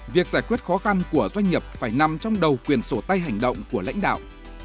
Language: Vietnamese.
việc giải quyết khó khăn của doanh nghiệp phải nằm trong đầu quyền sổ tay hành động của lãnh đạo